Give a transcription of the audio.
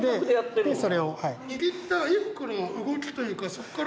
握った衣服の動きというかそこから。